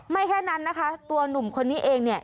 แค่นั้นนะคะตัวหนุ่มคนนี้เองเนี่ย